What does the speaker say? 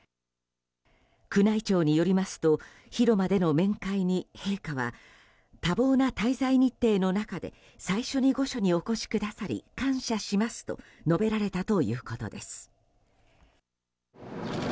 宮内庁によりますと広間での面会に陛下は多忙な滞在日程の中で最初に御所にお越しくださり感謝しますと述べられたということです。